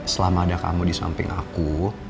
selama ada kamu di samping aku